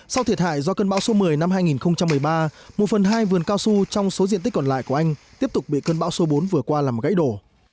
sau thiệt hại do cơn bão số một mươi năm hai nghìn một mươi ba một phần hai vườn cao su trong số diện tích còn lại của anh tiếp tục bị cơn bão số bốn vừa qua làm gãy đổ